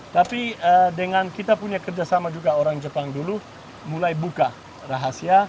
tapi dengan kita punya kerjasama juga orang jepang dulu mulai buka rahasia